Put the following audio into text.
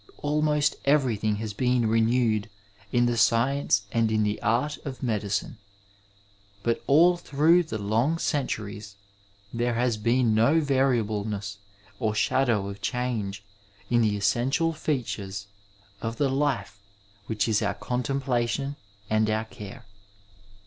Almost everything has been renewed in the science and in the art of medicine, but all through the long centuries there has been no variableness or shadow of change in the essential features of the life which is our contemplation and our care.